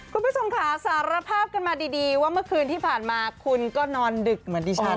คุณผู้ชมค่ะสารภาพกันมาดีว่าเมื่อคืนที่ผ่านมาคุณก็นอนดึกเหมือนดิฉัน